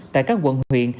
tại các quận huyện